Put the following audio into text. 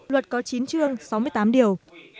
luật có chín chương sáu mươi tám điều